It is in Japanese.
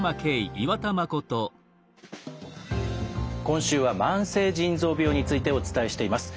今週は慢性腎臓病についてお伝えしています。